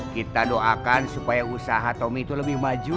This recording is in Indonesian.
kita doakan supaya usaha tommy itu lebih maju